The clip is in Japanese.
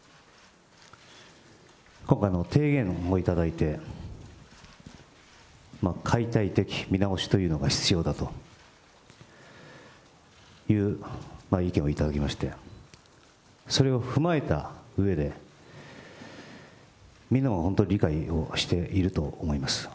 今回、提言のほうをいただいて、解体的見直しというのが必要だという意見をいただきまして、それを踏まえたうえで、みんなは本当理解をしていると思います。